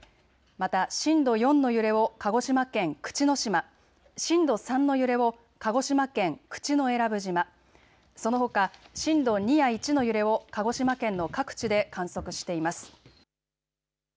また震度４の揺れを鹿児島県口之島、震度３の揺れを鹿児島県口永良部島、そのほか震度２や１の揺れを鹿児島県の各地で観測しています。